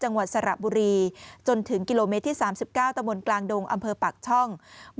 จังหวัดสระบุรีจนถึงกิโลเมตรที่๓๙ตะบนกลางดงอำเภอปากช่อง